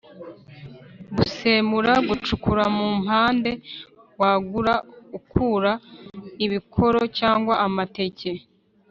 gusemura: gucukura mu mpande wagura ukura ibikoro cyangwa amateke